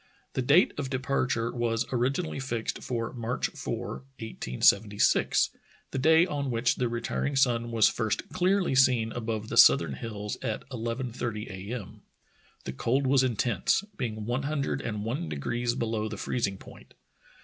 The date of de parture was originally fixed for March 4, 1876, the day on which the retiring sun was first clearly seen above the southern hills at 11.30 a. m. The cold was intense, being one hundred and one degrees below the freezing point.